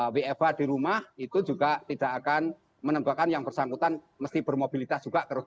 wfa di rumah itu juga tidak akan menembakkan yang bersangkutan mesti bermobilitas juga